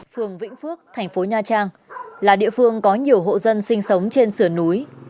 phường vĩnh phước thành phố nha trang là địa phương có nhiều hộ dân sinh sống trên sườn núi